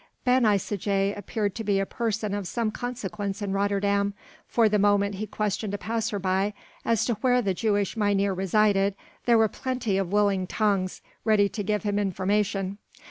Ben Isaje appeared to be a person of some consequence in Rotterdam, for the moment he questioned a passer by as to where the Jewish Mynheer resided, there were plenty of willing tongues ready to give him information.